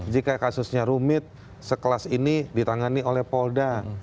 jika kasusnya rumit sekelas ini ditangani oleh polda